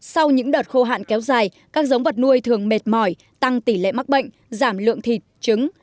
sau những đợt khô hạn kéo dài các giống vật nuôi thường mệt mỏi tăng tỷ lệ mắc bệnh giảm lượng thịt trứng